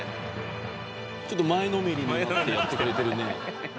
ちょっと前のめりになってやってくれてるね。